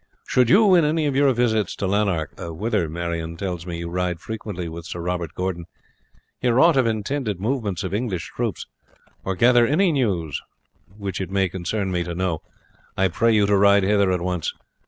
Should you, in any of your visits to Lanark whither, Marion tells me, you ride frequently with Sir Robert Gordon hear ought of intended movements of English troops, or gather any news which it may concern me to know, I pray you to ride hither at once.